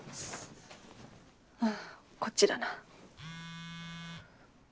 あぁこっちだな。